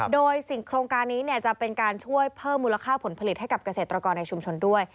โดยสิ่งโครงการนี้จะเป็นการช่วยเพิ่มมูลค่าผลผลิตให้กับเกษตรกรในชุมชนด้วย